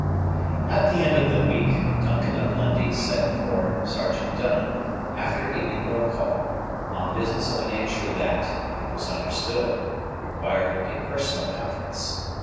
At the end of the week, Duncan of Lundie sent for Sergeant Dunham, after evening roll call, on business of a nature that, it was understood, required a personal conference.